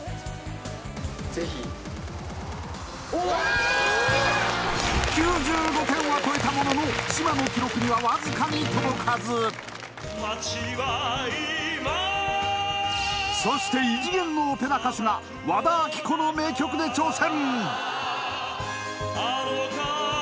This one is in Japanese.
ぜひおっわっ９５点は超えたものの島の記録にはわずかに届かずそして異次元のオペラ歌手が和田アキ子の名曲で挑戦